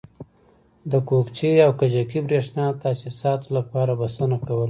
د کوکچې او کجکي برېښنایي تاسیساتو لپاره بسنه کوله.